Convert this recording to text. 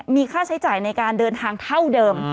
มีค่าใช้จ่ายในการเดินทางเท่าเดิม